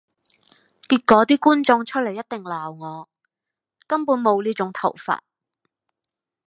結果啲觀眾出嚟一定鬧我，根本無呢種頭髮！